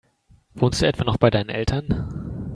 Wohnst du etwa noch bei deinen Eltern?